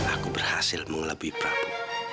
aku berhasil mengelabui prabu